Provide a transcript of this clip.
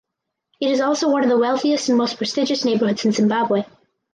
It is also one of the wealthiest and most prestigious neighbourhoods in Zimbabwe.